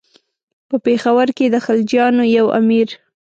په پېښور کې د خلجیانو یو امیر.